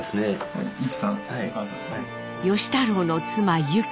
芳太郎の妻ユキ。